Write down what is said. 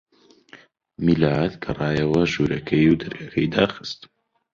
میلاد گەڕایەوە ژوورەکەی و دەرگاکەی داخست.